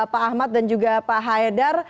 pak ahmad dan juga pak haidar